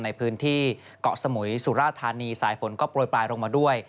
ในพื้นที่เกาะสมุยสุราธานีสายฝนก็โปรยปลายลงมาด้วย